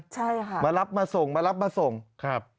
ใช่ค่ะมีมารับมาส่งครับ